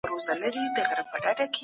مزدوري کول عيب نه دی.